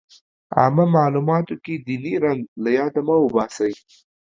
عامه معلوماتو کې ديني رنګ له ياده مه وباسئ.